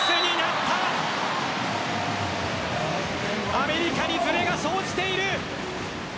アメリカにずれが生じている。